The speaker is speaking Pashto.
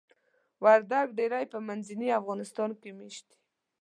وردګ ډیری په منځني افغانستان کې میشت دي.